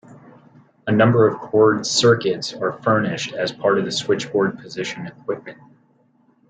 A number of cord circuits are furnished as part of the switchboard position equipment.